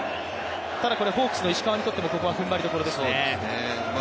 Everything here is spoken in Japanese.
これはホークスの石川にとってもふんばりどころですね。